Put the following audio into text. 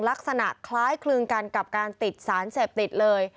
ลักษณะคล้ายคลึงกันกับการติดสารเสพติดเลย